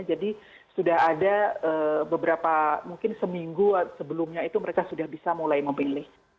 jadi sudah ada beberapa mungkin seminggu sebelumnya itu mereka sudah bisa mulai memilih